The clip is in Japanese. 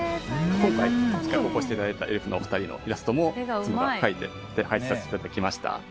今回せっかくお越しいただいたエルフのお二人のイラストも妻が描いて配置させていただきました。